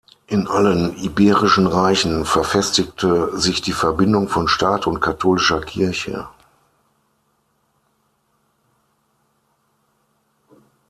In allen iberischen Reichen verfestigte sich die Verbindung von Staat und katholischer Kirche.